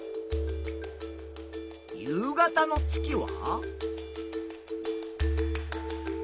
夕方の月は？